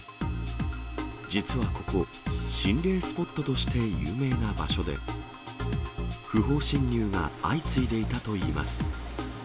実はここ、心霊スポットとして有名な場所で、不法侵入が相次いでいたといいます。